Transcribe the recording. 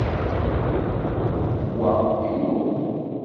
Wa inu!